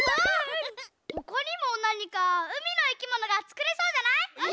ほかにもなにかうみのいきものがつくれそうじゃない？